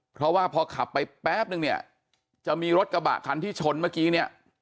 เพราะว่าพอขับไปแป๊บนึงเนี่ยจะมีรถกระบะคันที่ชนเมื่อกี้เนี่ย